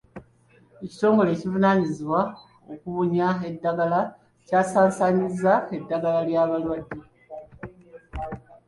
Ekitongole ekivunaanyizibwa okubunya eddagala kyasaasaanyizza eddagala ly'abalwadde.